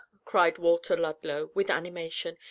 cried Walter Ludlow, with animation.